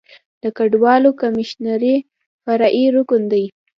د کډوالو کمیشنري فرعي رکن دی.